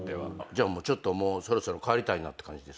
じゃあもうちょっとそろそろ帰りたいなって感じですか？